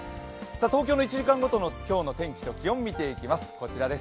東京の１時間ごとの今日の天気と気温見ていきます。